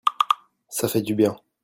ça fait du bien.